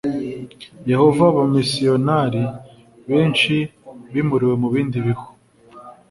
yehova abamisiyonari benshi bimuriwe mu bindi bihu